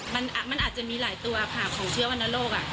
มันอาจจะมีหลายตัวค่ะของเชื้อวรรณโรค